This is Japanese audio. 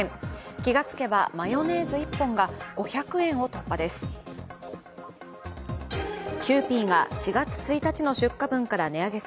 気が付けば、マヨネーズ１本が５００円を突破です。